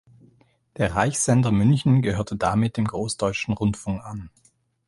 Der "Reichssender München" gehörte damit dem Großdeutschen Rundfunk an.